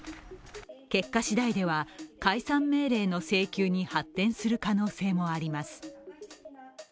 結果しだいでは、解散命令の請求に発展する可能性もあります。